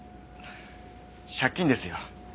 借金ですよ。